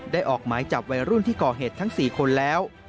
ออกหมายจับวัยรุ่นที่ก่อเหตุทั้ง๔คนแล้ว